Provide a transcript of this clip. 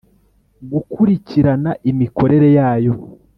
gukurikirana imikorere yayo